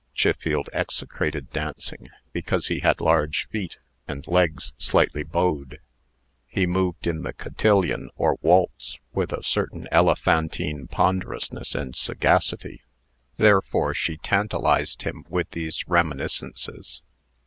Chiffield execrated dancing, because he had large feet, and legs slightly bowed. He moved in the cotillon or waltz with a certain elephantine ponderousness and sagacity. Therefore she tantalized him with these reminiscences.